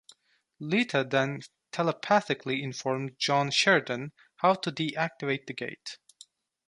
Lyta then telepathically informs John Sheridan how to deactivate the gate.